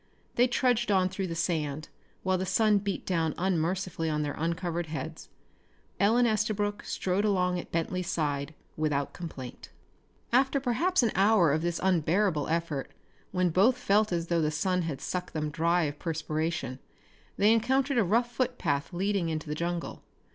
They trudged on through the sand, while the sun beat down unmercifully on their uncovered heads. Ellen Estabrook strode along at Bentley's side without complaint. After perhaps an hour of this unbearable effort, when both felt as though the sun had sucked them dry of perspiration, they encountered a rough footpath leading into the jungle.